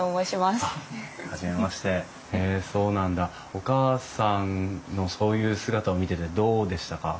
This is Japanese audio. お母さんのそういう姿を見ててどうでしたか？